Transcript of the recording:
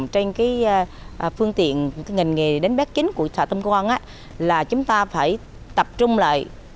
trên phương tiện những ngành nghề đến bếp chính của xã tâm quang là chúng ta phải tập trung lại